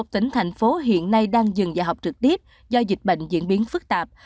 một mươi tỉnh thành phố hiện nay đang dừng dạy học trực tiếp do dịch bệnh diễn biến phức tạp